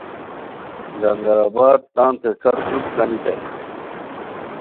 لنگرآباد تانتے ݯت تروپ گانیتائے